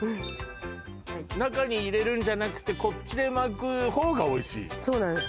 中に入れるんじゃなくてこっちで巻く方がおいしいそうなんです